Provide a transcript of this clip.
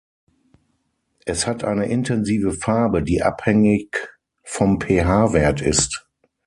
Es hat eine intensive Farbe, die abhängig vom pH-Wert ist.